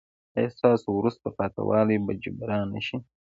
ایا ستاسو وروسته پاتې والی به جبران نه شي؟